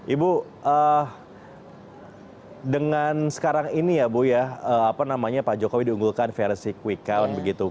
ibu dengan sekarang ini ya bu ya apa namanya pak jokowi diunggulkan versi quick count begitu